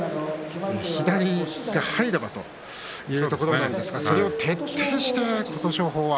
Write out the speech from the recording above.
左が入ればというところなんですが、それを徹底して琴勝峰は。